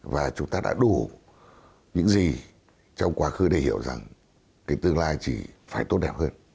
và chúng ta đã đủ những gì trong quá khứ để hiểu rằng cái tương lai chỉ phải tốt đẹp hơn